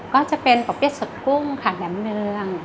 ก็จะเป็นปะเปรี้ยดสดกุ้งขาดแหลมเนือง